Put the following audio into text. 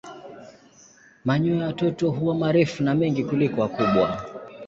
Manyoya ya watoto huwa marefu na mengi kuliko ya wakubwa.